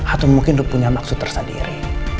atau mungkin dia punya maksud tersendiri